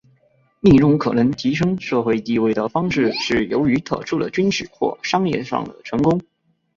另一种可能提升社会地位的方式是由于特殊的军事或商业上的成功。